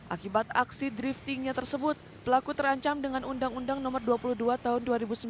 akibat aksi driftingnya tersebut pelaku terancam dengan undang undang no dua puluh dua tahun dua ribu sembilan